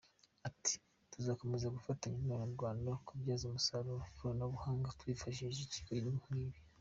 Ati “Tuzakomeza gufatanya n’Abanyarwanda kubyaza umusaruro ikoranabuhanga twifahishije ibigo nk’ibi.